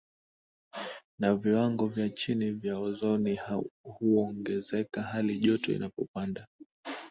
na viwango vya chini vya ozoni huongezeka hali joto inapopanda